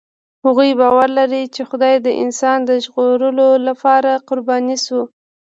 هغوی باور لري، چې خدای د انسان د ژغورلو لپاره قرباني شو.